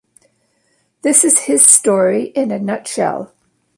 This is his story in a nutshell.